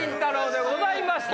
でございました。